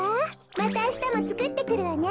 またあしたもつくってくるわね。